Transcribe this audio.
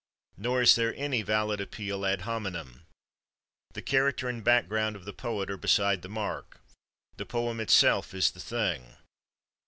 Nor is there any valid appeal ad hominem. The character and background of the poet are beside the mark; the poem itself is the thing.